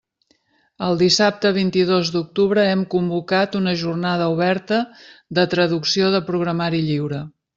El dissabte vint-i-dos d'octubre hem convocat una Jornada oberta de traducció de programari lliure.